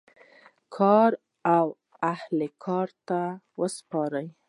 کار و اهل کار ته وسپارئ